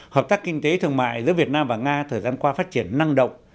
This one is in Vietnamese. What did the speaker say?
hợp tác kinh tế thương mại giữa việt nam và nga thời gian qua phát triển năng động